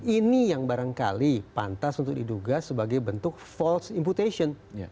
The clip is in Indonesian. ini yang barangkali pantas untuk diduga sebagai bentuk false imputation